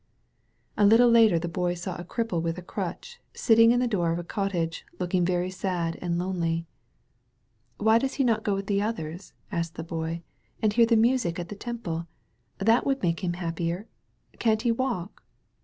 A little later the Boy saw a cripple with a crutch, sitting in the door of a cottage, looking very sad and lonely. "Why does he not go with the others," asked the Boy, " and hear the music at the Temple ? That would make him happier. Can't he walk?"